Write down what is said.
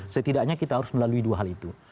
setidaknya kita harus melalui dua hal itu